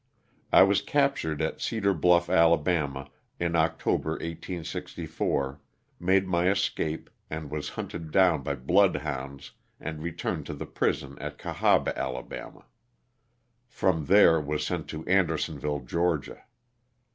I was captured at Cedar Bluff, Ala., in October, 1864, made my escape and was hunted down by blood hounds and returned to the prison at Oahaba. Ala. From there was sent to Andersonville, Ga.